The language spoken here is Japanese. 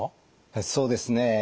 そうですね。